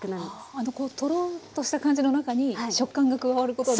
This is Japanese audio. あのこうとろとした感じの中に食感が加わることで。